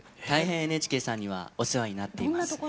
大変ＮＨＫさんにはお世話になっています。